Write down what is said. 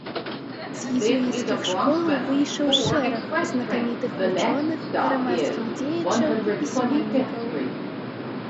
З езуіцкіх школаў выйшаў шэраг знакамітых вучоных, грамадскіх дзеячаў і пісьменнікаў.